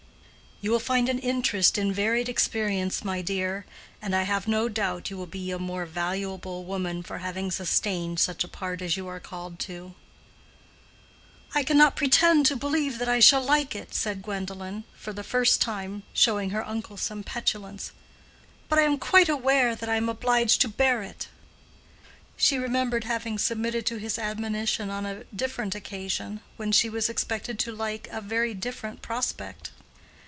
"You will find an interest in varied experience, my dear, and I have no doubt you will be a more valuable woman for having sustained such a part as you are called to." "I cannot pretend to believe that I shall like it," said Gwendolen, for the first time showing her uncle some petulance. "But I am quite aware that I am obliged to bear it." She remembered having submitted to his admonition on a different occasion when she was expected to like a very different prospect.